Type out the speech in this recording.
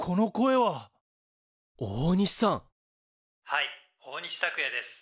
「はい大西卓哉です」。